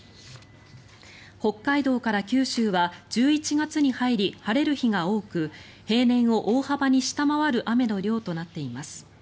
北海道から九州は１１月に入り、晴れる日が多く平年を大幅に下回る雨の量となっています。